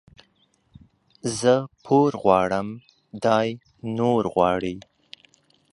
زه پور غواړم ، دى نور غواړي.